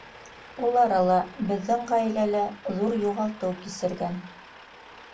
Ул арала беҙҙең ғаилә лә ҙур юғалтыу кисергән.